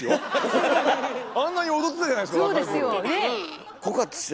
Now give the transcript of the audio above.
あんなに踊ってたじゃないですか若い頃。